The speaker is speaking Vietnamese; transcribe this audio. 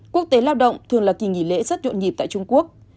quốc tế lao động thường là kỳ nghỉ lễ rất nhộn nhịp tại trung quốc